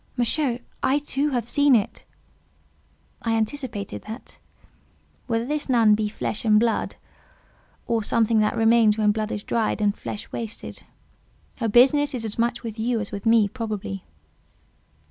"Monsieur, I, too, have seen it." "I anticipated that. Whether this nun be flesh and blood, or something that remains when blood is dried, and flesh is wasted, her business is as much with you as with me, probably.